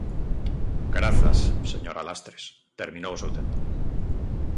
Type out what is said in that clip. Grazas, señora Lastres, terminou o seu tempo.